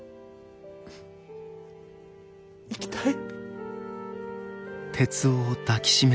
生きたい。